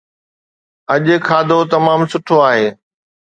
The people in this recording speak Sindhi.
اڄ کاڌو تمام سٺو آهي